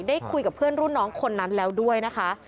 ได้คุยกับเพื่อนรุ่นน้องคนนั้นแล้วด้วยนะคะ